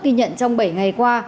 ghi nhận trong bảy ngày qua